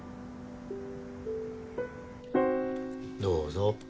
どうぞ。